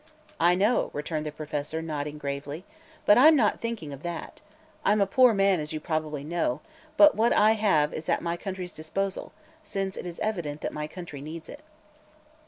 "I know," returned the Professor, nodding gravely, "But I'm not thinking of that. I'm a poor man, as you probably know, but what I have is at my country's disposal, since it is evident that my country needs it."